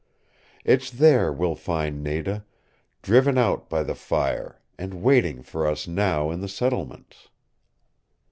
It's there we'll find Nada, driven out by the fire, and waiting for us now in the settlements."